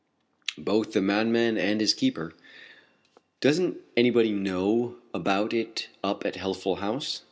"Both the madman and his keeper." "Doesn't anybody know about it up at Healthful House?